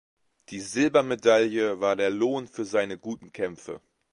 Die Silbermedaille war der Lohn für seine guten Kämpfe.